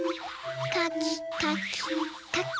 かきかきかき。